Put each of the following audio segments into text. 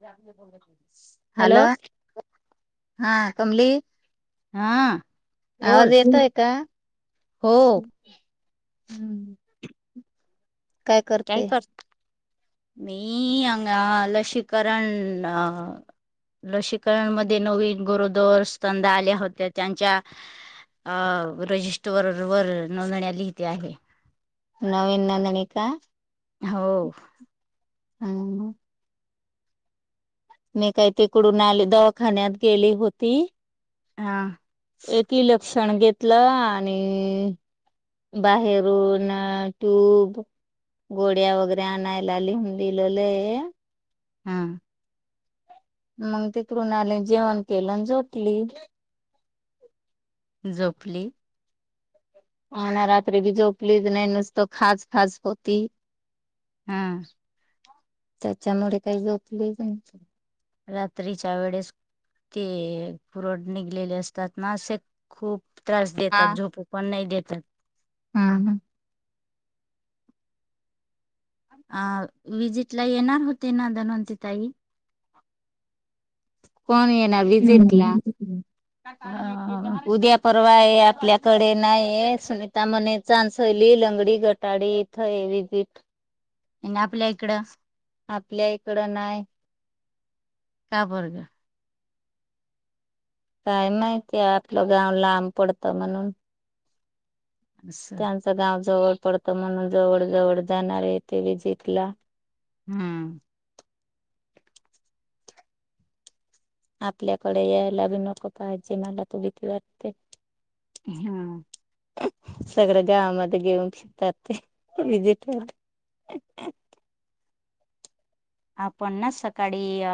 ज आपली बोलच हॅलो हा कमली हा बोल आवाज येतोय का हो हम्म काय करते मी हंग लसीकरण अ लसीकरणमध्ये नवीन गोरोदर स्तधा आल्या होत्या त्यांच्या अ रजिस्टर वर नोंदणी लिहििते आहे नवीन नोंदणी का हो हम मी काही तिकडून आली दवाखान्यात गेली होती हा एक लक्षण घेतलं आणि बाहेरून ट्यूब गोळ्या वगैरे आणायला लिहून ललेलंय हम मग ते कुणाली जेवण केलं झोटली झोपली आणि ना राात्री बीजो प्लीज नाही नुसत खास फास होती हम्म त्याच्यामुळे काही जोपले रात्रीच्या वेळेस, ते पुरड निघलेले असतात ना असे खूप त्रास देतात झोपू पण नाही देतात. हम्म हम्. अ विजिट ला येणार होते ना दधनवंति ताई. कोण येण्या हम्म अ [unintelligible] उद्या पर परवा आहे आपल्याकडे नाही हे सुनीता मणे चांसली लंगडी गटाडी इथ [unintelligible] ए आपिल्या इकड आपल्या इकडं नाही. का बर्ग. काय माहितीय आपलं गाव लांब पडतं म्हणून. असं त्यांचं गाव जवळ पडतं म्हणून जवळ जवळ जाणारे येते विजिट ला. हम्म. आपल्याकडे यायला ब नको पाहिजे मला तू भीती वाटते. हम् हा. सगळं गावामध्ये घेऊन शिकात ते विजिट [inaudible] आपण ना सकाळी अ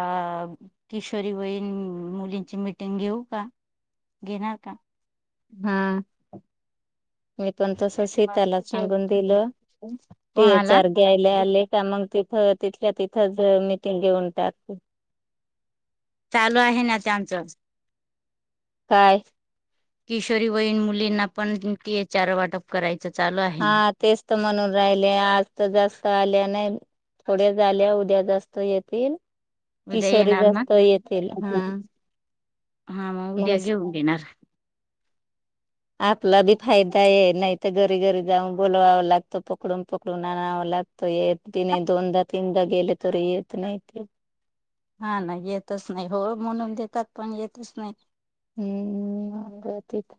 किशोरी वयन मुलींची मिटिंग घेऊ का घेणार का? हा. पण तस सीताला सांगून दिलं ते कोणाला? चार घ्यायला आले का मग ते तिथल्या तिथंच मिटिंग घेऊन टत चालू आहे ना ते आमचं. काय? किशोरी वयीन मुलींना पण ती चार वाटप कराय हा तेस्त म्हणून राहिले आज तर जास्त आल्या नाही थोड्या झाल्या उद्या जास्त येतील. उद्या किशोरी येणार ना? जास्त येतील, हा. हा मग उद्या घेऊन देेणार. आपला बी फायदा आहे नाही तर घरी घरी जाऊन बोलवाव लागतो पकडून पकडून आणवां लागतो एक दि नाही दोनदा तीनदा गेले तोरी येत नाही ते. हा ना येतच नाही होय म्हणून देतात पण येतच नाही. हम्म [unintelligible]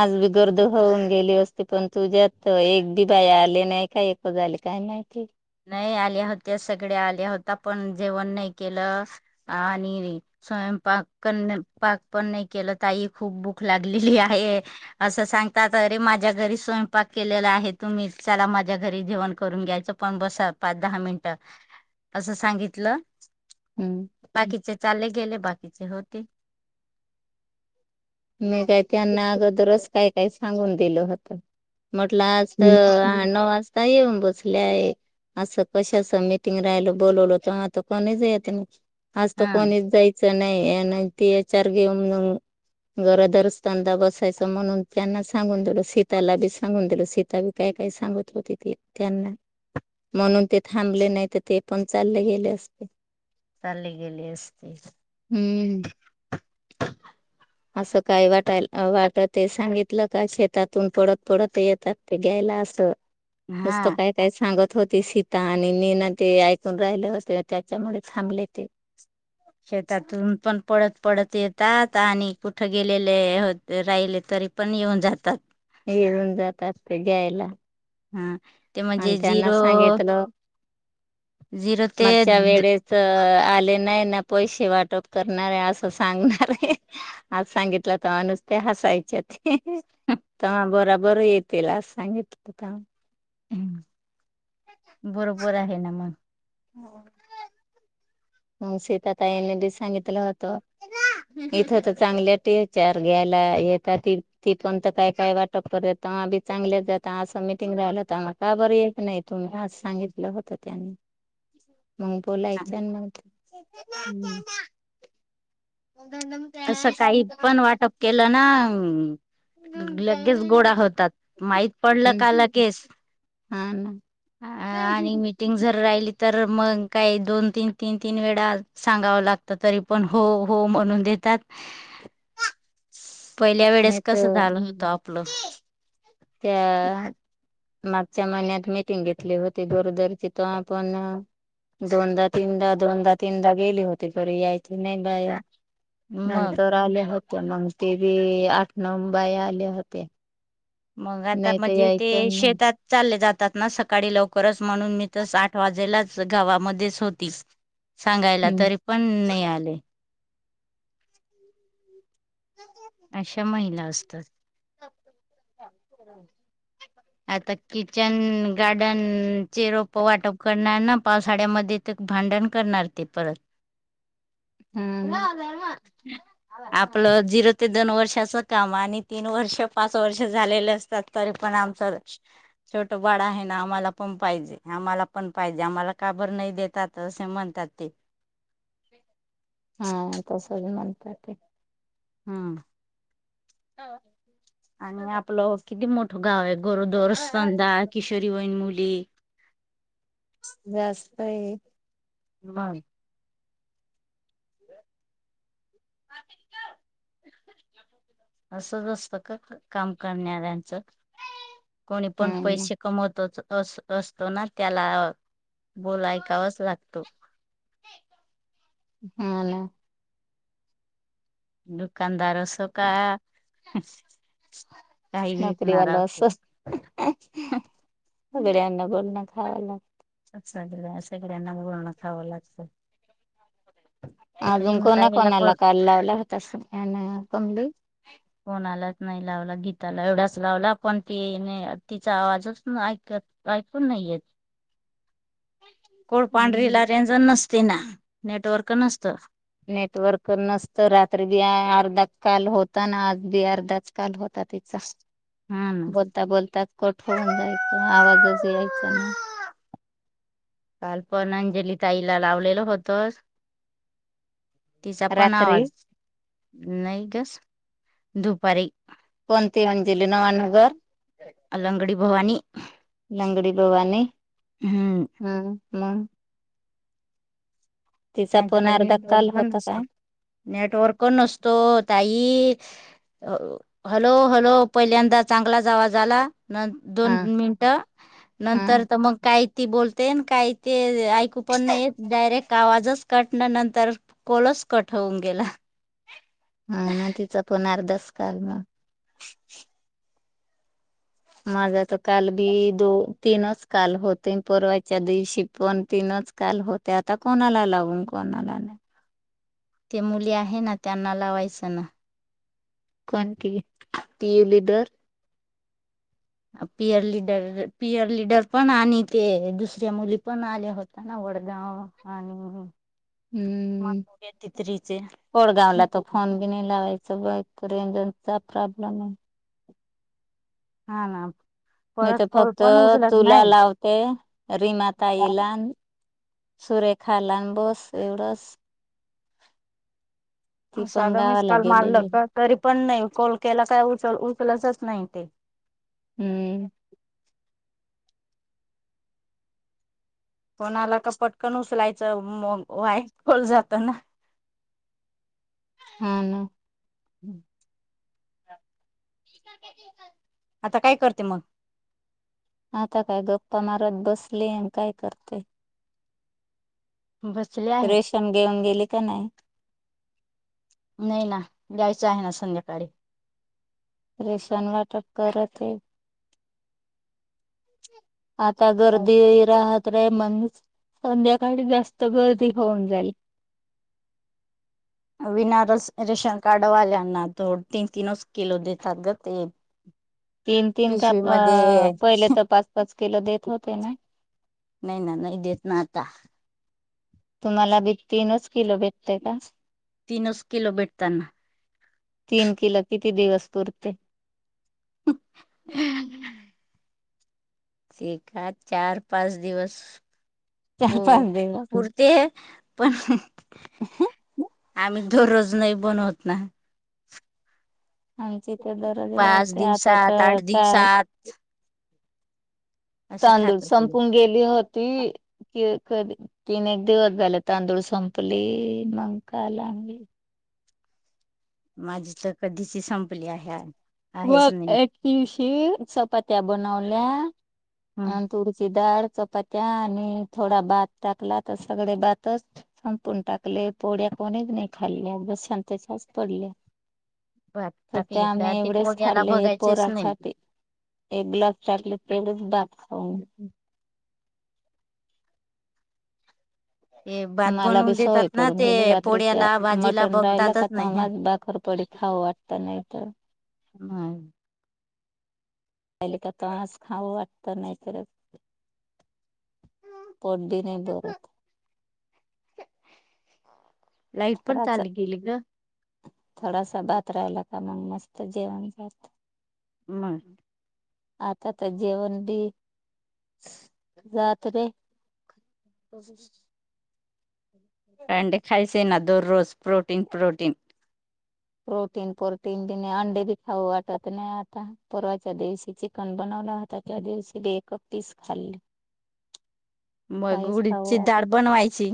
आज बी गर्द होऊन गेली असती पण तुझ्यात एक बी बाई आले नाही का एकच झाले काही नाही च नाही आल्या होत्या सगळ्या आल्या होत्या पण जेवण नाही केलं आणि स्वयंपाक प पाक पण नाही केलं ताई खूप भूक लागलेली आहे असं सांगतात अे माझ्या घरी स्वयंपाक केलेला आहे तुम्ही चला माझ्या घरी जेवण करून घ्यायचं पण बसा पाच दहा मिनटं असं सांगितलं. हम्म बाकीचे चाले गेले बाकीचे होते. मी काय त्यांना अगोदरच काय काय सांगून दिलं होत म्हटलं आज नऊ वाजता येऊन बसल्या आहे असं कशाच मिटिंग राहिल बोलवलं तर्हा आता कोणीच आज तर हा कोणीच जायचं नाही ती याच्यार घेऊन घरदरस्तंदा बसायच म्हणून त्यांना सांगून दिल सीताला बी सांगून दिल सीता बी काय काय का सांगत होते ते, त्यांना म्हणून ते थांबले नाही तर ते पण चालले गेले असते. चालले गेले असतेच. हम्म असं काय वाटाय वाटत ते सांगितलं का शेतातून पडत पडत येतात ते घ्यायला असं. नुसतं हा काय काय सांगत. होती सीता आणि नी ना ते ऐकून राहिले होते त्याच्यामुळे थांबले ते. शेतातून पण पळत पळत येत. का ता आणि कुठं गेलेले हो राहिले तरी पण येऊन जातात. येऊन जातात ते घ्यायला. हा ते एन म्हणजे त्यांना झिरो सांगितलं. झिरो ते माघच्या वेळेस स आले नाही ना पैसे वाटप करणार आहे असं सांगणार आहे हे आज सांगितलं तर नुस त्या हसायच्या ते ते्हा बरा बर येतील अस सांगितलं. बरोबर, आहे ना मग. मग शीता ताईनेबी सांगितलं होतं. इथं तर चांगल्या टीचार घ्यायला येेत त ती पण तर काय काय वाटत परत बी चांगले जात असं मिटिंग राहिलं तर आम काबर येत नाही तुम्ही आज सांगितलं होतं त्यानी. मग बोलायच आणि मग हम्म. असं काही पण वाटप केलं ना लगेच गोडा होतात माहीत पडलं हम्म का लगेच. हा ना अ आणि मीटिंग जर राहिली तर मग काही दोन तीन तीन तीन वेळा सांगावं लागत तरी पण हो हो म्हणून देत. पहिल्या नाही वेळेस कसं तर झालं होतं आपलं. त्या मागच्या महिन्यात मिटिंग घेतली होती दोरदरची तर आपण दोनदा तीनदा दोनदा तीनदा गेले होत्ये तरी आयक्ती नाही बाया मग नंतर आले होते मग ते बी आठ नऊ बाया आल्या होत्या. मग आता नाही तर म्हणजे ते यायच्या नाही शेतात चालले जात तात ना सकाळी लवकरच म्हणून मी तस आठ वाजेलाच गावामध्येच होती. सांगायला तरी पण नही आले. हम अशा महिला असतात. [unintelligible] तर किचन गार्डन चे रोप वाटप करणार ना पावसाळ्यामध्ये ते भांडण करणारं ते परत हम्म हा आपलं झिरो ते दोन वर्ष तसं काम आणि तीन वर्ष पाच वर्ष झालेले असतात तरी पण आम छोट बाळ आहे ना आम्हाला पण पाहिजे आम्हाला पण पाहिजे आम्हाला काबर नाही देत. जातं असे म्हणतात ते. हा तसच म्हणतात ते हम् हां आणि आपलं किती मोठं गाव आहे गोरोदर सधा किशोरी वन मुली. [unintelligible] व्यासई उमांग [unintelligible] असंच असतं का? काम करणाऱ्यांचं कोणी हा पण ना पैसे कमवतच. अस असतो ना त्याला बोला ऐकावाच लागतो. हाला. दुकानदार सोका नोकरी वाल असो [unintelligible] बोलण खाव लाग सग सगळ्यांना बोलणं खावं लागतं. आजून कोणा रेणुताईला कोणाला कोण कॉल लावला होता असं [unintelligible] कोणालाच नाही लावला गीताला एवढाच लावला पण ति ति ना तिचा आवाजच ऐकू काय फोन नाही येत. कोळपांढरीला रेंज अ नस्ती ना नेटवर्कई नसतं. नेटवर्क नसत रात्री बी अ अर्धा काल होता ना आज बी अर्धाच काल होता. होता तिचा हा ना बोलता बोलत कट होऊन जायचं आवाजच चला. काल पण अंजली ताईला लावलेल होत. तिचा पण रात्री आवाज नाही ग स दुफारी. कोणती अंजली नवानगर? अलंगडी भवानी. लंगडी भवानी हम्म हम्म म फोन त्यांच्याकडे अर्धा नेटवर्क काल बंद होता असतो. काय नेटवर्कण नसतो ताई अ हॅलो हलो पहिल्यांदा चांगला आवाज आला. न दोन हा मिनट हा नंतर तर मग काही ती बोलते न काही ते अ ऐकू पण नाहीयेत डायरेक्ट ते आवाजच कट न नंतर कोल च कट होऊन गेला. हा ना तिचा पण अर्धच काल मग माझा तर काल बी दो तीनच काल होते, परवाच्या दिवशी पण तीनच आज काल होते आता कोणाला लावून कोणाला नाहीं. ते मुली आहे ना त्यांना लावायचं ना. कोण की ती leader? Peer leader peer leader पण आणि ते दुसऱ्या मुली पण आल्या होत ना. मडगाव आणि हम्म मातुरे तित्रीचे कोडगावला त फोन बी नाही लावायचा बघ रेंजनचा प्रॉब्लेम आहे. हां ना. मी त परत कॉल फक्त पण उचलत तुला नाही लावते रिनाताईला अन सुरेखा लांबस एवढंच. ती पण साधं मीस गावाला काल मारलं गेलेली का तरी पण नाहीं कॉल केला काय उचल उचलचच नाही ते. हम्म. फोन आला का पटकन उचलायचं मग वाया कोल जातो ना हां ना. [inaudible] [unintelligible] आता काय करते मगं? आता काय गप्पा मारत बसलीय अन काय करते? बसले आहे रेशन घेऊन गेली का नाही? नाही ना जायचं आहे ना संध्याकाळी. रेशन वाटप करत आहे. आता गर्दी राह त्रय मग संध्याकाळी जास्त गर्दी होऊन जाईल. [inaudible] विना रस रेशन कार्ड वाल्यांना तो तीन तीनच किलो देतात गं ते. तीन तीन का पिशवी त अ मध्ये पहिले तर पाच पाच किलो देत होते ना. नाही ना नाही देत ना आता. तुम्हाला बी तीनच किलो भेटतय का? तीनच किलो भेटतं ना. तीन किलो किती दिवस पुरते. [inaudible] एका चार, पाच दिवस. चार हो पाच दिवस पुरते पण. आम्ही दररोज नाही बनवत ना. आमची इथ गरज पाच राहते. आता दिवसात तर आठ काल दिवसात असं तांदूळ खातात संपून गेली होती की. कधी तीन एक दिवस झाले तांदूळ संपली. मग काल आणली. माझी तर कधीच संपली आहे आज. व एक दिवशी चपात्या बनवल्या. हं. अनं तुरीची डाळ. चपात्या आणि थोडा भात टाकला तर सगळे भातच संपून टाकले पोळ्या. कोणीच नाही खाल्या तशाच पडल्या भात तर त्या टाकली का आम्ही ते एवढचं. पोळ्याला खाल्ले बघायचेच नाही पोरासाठी एक ग्लास त्यातलं पेज भात खाऊन. ते भात मला बी बनवून देतात सवय ना पडून ते गेली रात्रीच्या पोळ्याला भाजीला मटन राहिला का बघतातच नाही त बाकर पडती. खाऊ वाटत नाही तर. नाही. पहिले खातास खाऊ वाटत नाही तर पोट बी नाही भरतं. लाईट पण थोडासा चालू गेली गं. थोडासा भात राहिला का मग मस्त जेवण जात. म [unintelligible] आता तर जेवण बी जात रे. हो. अंडे खायचे ना दररोज प्रोटीन प्रोटीन. प्रोटीन प्रोटीन बी नाही अंडे बी खाऊ वाटत नाही. आता परवाच्या दिवशी चिकन बन वल हा त्या दिवशी बी एकच पीस खाल्ली. मग काहीच खाऊ उडीदची डाळ वाटत बनवायची.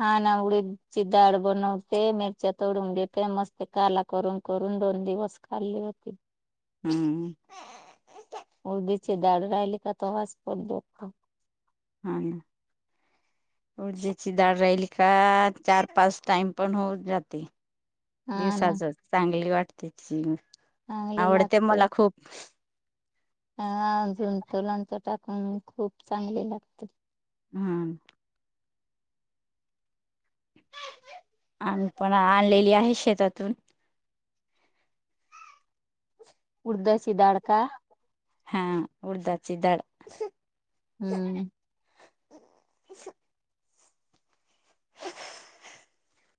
हा ना उडीदची डाळ बनवते. मिरच्या तोडून घेते. मस्त काला करून करून दोन दिवस खाल्ली होती. हम्म. उडीदची डाळ राहली की वास पडतो. हा. उडीदची डाळ राहिली का चार, पाच टाइम पण होऊ जाते. हा ना दिवसाच चांगली वाटते ती. चांगली आवडते लागते मला खूप. हा झूनच लोणचं टाकून खूप चांगले लागते. हम्. आम्ही पण आणलेली आहे शेतातून. उडदाची डाळ का. हा उडदाची डाळ. हम्म. [unintelligible]